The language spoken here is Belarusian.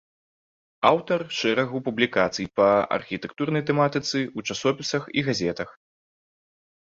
Аўтар шэрагу публікацый па архітэктурнай тэматыцы ў часопісах і газетах.